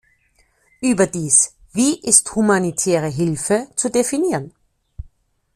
Überdies, wie ist "humanitäre Hilfe" zu definieren?